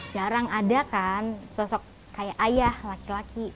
jarang ada kan sosok kayak ayah laki laki